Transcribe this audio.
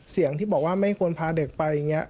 เสียงที่บอกว่าไม่ควรพาเด็กไป